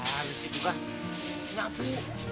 nah disitulah nyapu